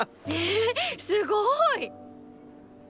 えすごい。